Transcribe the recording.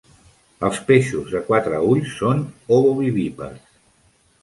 Els peixos de quatre ulls són ovovivípars.